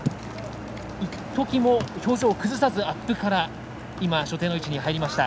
一時も表情を崩さず、アップから今、所定の位置に入りました。